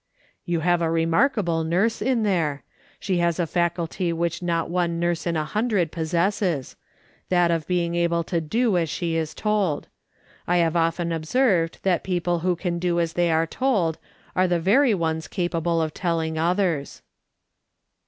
" You have a remarkable nurse in there. She has l66 MRS. SOLOMON SMITH LOOKING ON. a faculty which not one nurse in a hundred possesses — that of being able to do as she is told. I have often observed that people who can do as they are told, are the only ones capable of telling others."